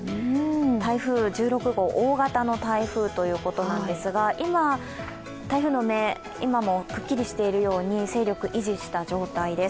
台風１６号、大型の台風ということなんですが台風の目、今もくっきりしているように勢力を維持した状態です。